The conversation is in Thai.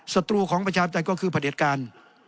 ศัตรูของประชาบใจก็คือผลิตการ